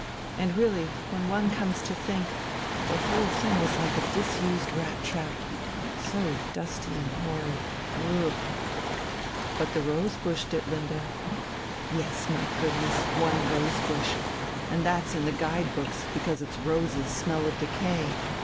And really, when one comes to think, the whole thing was like a disused rat trap, so dusty and horrid ... ugh!..." "But the rose bush, Ditlinde." "Yes, my goodness one rose bush. And that's in the guide books, because its roses smell of decay.